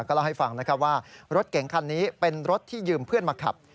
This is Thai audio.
ก็เล่าให้ฟังนะครับว่ารถเก๋งคันนี้เป็นรถที่ยืมเพื่อนมาขับ